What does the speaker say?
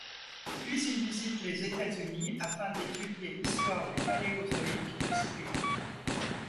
Puis il visite les États-Unis afin d'étudier l'histoire du Paléozoïque de ce pays.